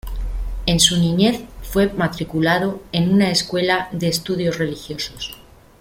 En su niñez fue matriculado en una escuela de estudios religiosos.